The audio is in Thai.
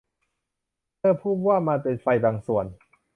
เธอพูดว่ามันเป็นไฟบางส่วน